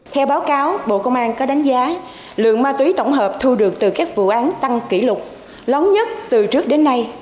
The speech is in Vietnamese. theo báo cáo bộ công an có đánh giá lượng ma túy tổng hợp thu được từ các vụ án tăng kỷ lục lóng nhất từ trước đến nay